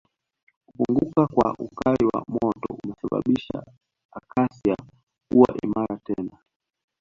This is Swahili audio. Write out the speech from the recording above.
kupunguka kwa ukali wa moto umesababisha Acacia kuwa imara tena